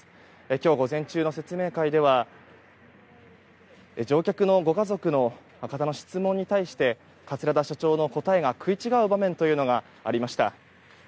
今日午前中の説明会では乗客のご家族の方の質問に対して桂田社長の答えが食い違う場面というのがありました。